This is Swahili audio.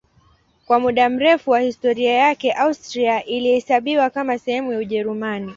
Kwa muda mrefu wa historia yake Austria ilihesabiwa kama sehemu ya Ujerumani.